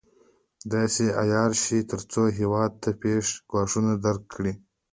داسې عیار شي تر څو هېواد ته پېښ ګواښونه درک کړي.